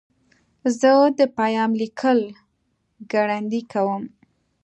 زه د پیام لیکل ګړندي کوم.